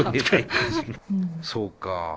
そうか。